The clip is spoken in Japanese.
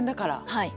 はい。